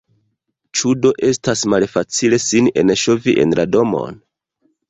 Ĉu do estas malfacile sin enŝovi en la domon?